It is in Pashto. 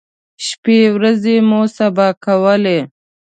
شپی ورځې مو سبا کولې.